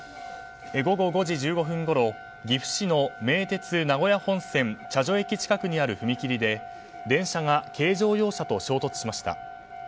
午後５時１５分ごろ岐阜市の名鉄名古屋本線茶所駅近くにある踏切で電車が軽乗用車と衝突しました。